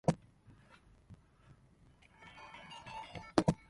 Indeed, whether Dee and Kelly ever practiced Enochian is still up for debate.